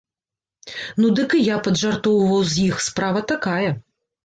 Ну дык і я паджартоўваў з іх, справа такая.